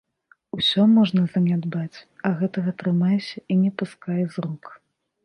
Усё можна занядбаць, а гэтага трымайся і не пускай з рук.